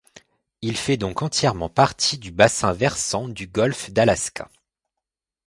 Il fait donc entièrement partie du bassin versant du golfe d'Alaska.